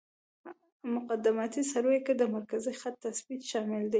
مقدماتي سروې کې د مرکزي خط تثبیت شامل دی